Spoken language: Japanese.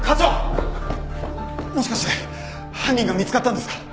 もしかして犯人が見つかったんですか？